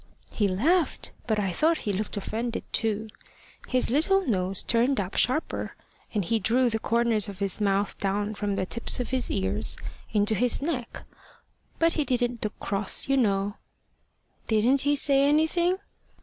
"He laughed. But I thought he looked offended too. His little nose turned up sharper, and he drew the corners of his mouth down from the tips of his ears into his neck. But he didn't look cross, you know." "Didn't he say anything?"